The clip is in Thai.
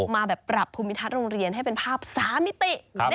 มาแบบปรับภูมิทัศน์โรงเรียนให้เป็นภาพ๓มิติ